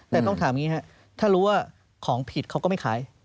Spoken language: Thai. แต่ต้องถามอย่างนี้ครับถ้ารู้ว่าของผิดเขาก็ไม่ขาย